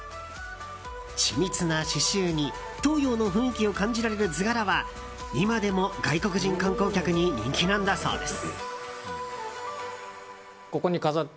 緻密な刺しゅうに東洋の雰囲気を感じられる図柄は今でも外国人観光客に人気なんだそうです。